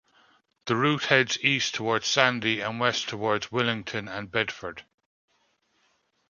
The route heads east towards Sandy and west towards Willington and Bedford.